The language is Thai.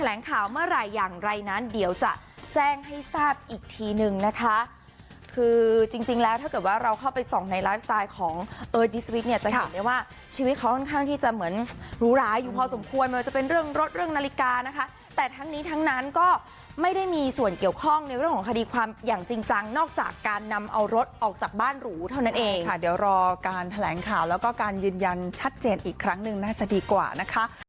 เอิร์ดดีสวิคจะเห็นว่าชีวิตเขาค่อนข้างที่จะเหมือนหรูหลายอยู่พอสมควรไม่ว่าจะเป็นเรื่องรถเรื่องนาฬิกานะคะแต่ทั้งนี้ทั้งนั้นก็ไม่ได้มีส่วนเกี่ยวข้องในเรื่องของคดีความอย่างจริงจังนอกจากการนำเอารถออกจากบ้านหรูเท่านั้นเองค่ะเดี๋ยวรอการแถลงข่าวแล้วก็การยืนยันชัดเจนอีกครั้งนึงน่าจะดีกว่านะคะ